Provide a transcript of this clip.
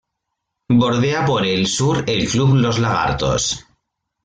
Bordea por el sur el club Los Lagartos.